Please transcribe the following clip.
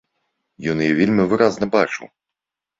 Ён яе вельмі выразна бачыў.